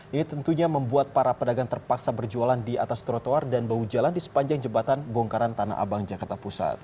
ini tentunya membuat para pedagang terpaksa berjualan di atas trotoar dan bahu jalan di sepanjang jembatan bongkaran tanah abang jakarta pusat